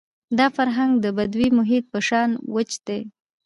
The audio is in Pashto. دا فرهنګ د بدوي محیط په شان وچ دی.